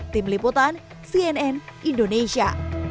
tim liputan cnn indonesia